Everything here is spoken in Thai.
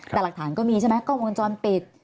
แต่หลักฐานก็มีใช่ไหมกล้องวงจรปิด